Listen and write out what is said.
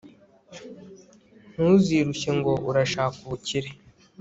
ntuzirushye ngo urashaka ubukire